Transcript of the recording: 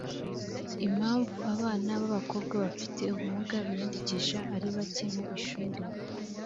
impamvu abana b abakobwa bafite ubumuga biyandikisha ari bake mu ishuri